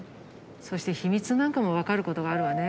そして秘密なんかも分かることがあるわね。